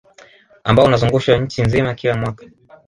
Ambao unazungushwa nchi nzima kila mwaka